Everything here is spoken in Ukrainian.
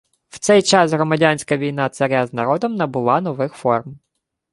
В цей час громадянська війна царя з народом набула нових форм